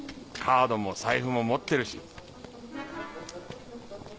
カードも財布も持ってるし。